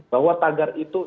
bahwa tagar itu